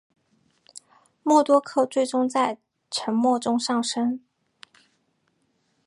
默多克最终在沉没中丧生。